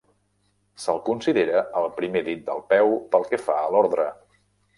Se'l considera el primer dit del peu pel que fa a l'ordre.